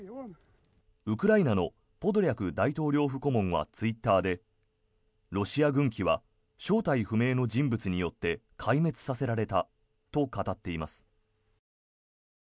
ウクライナのポドリャク大統領府顧問はツイッターでロシア軍機は正体不明の人物によって壊滅させられたと語っています。